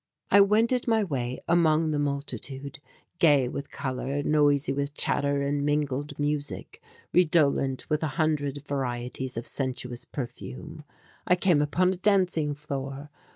I wended my way among the multitude, gay with colour, noisy with chatter and mingled music, redolent with a hundred varieties of sensuous perfume. I came upon a dancing floor.